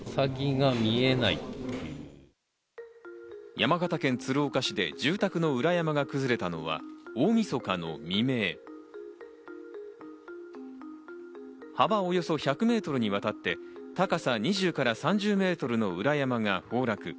山形県鶴岡市で住宅の裏山が崩れたのは大みそかの未明、幅およそ１００メートルにわたって高さ２０から３０メートルの裏山が崩落。